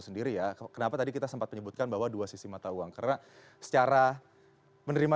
sendiri ya kenapa tadi kita sempat menyebutkan bahwa dua sisi mata uang karena secara menerima